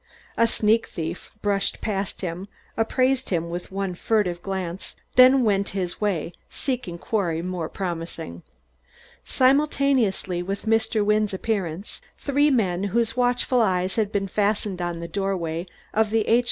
A sneak thief brushed past him, appraised him with one furtive glance, then went his way, seeking quarry more promising. Simultaneously with Mr. Wynne's appearance three men whose watchful eyes had been fastened on the doorway of the H.